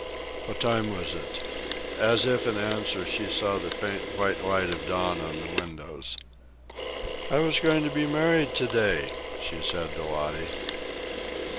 What time was it? As if in answer, she saw the faint white light of dawn on the windows. "I was going to be married to day," she said to Lottie.